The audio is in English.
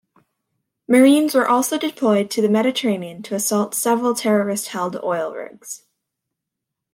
Marines were also deployed to the Mediterranean to assault several terrorist-held oil rigs.